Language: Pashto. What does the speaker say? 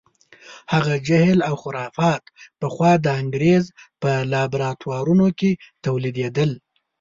هغه جهل او خرافات پخوا د انګریز په لابراتوارونو کې تولیدېدل.